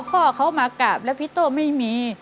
พ่อเขามากราบแล้วพี่โต้ไม่มี